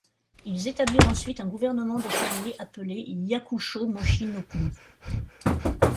Ils établirent ensuite un gouvernement de fermiers appelé Hyakusho mochi no Kumi.